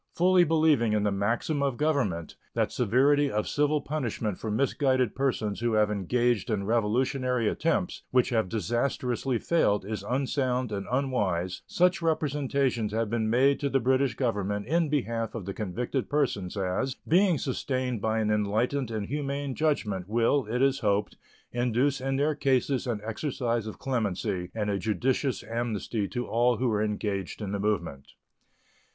Fully believing in the maxim of government that severity of civil punishment for misguided persons who have engaged in revolutionary attempts which have disastrously failed is unsound and unwise, such representations have been made to the British Government in behalf of the convicted persons as, being sustained by an enlightened and humane judgment, will, it is hoped, induce in their cases an exercise of clemency and a judicious amnesty to all who were engaged in the movement.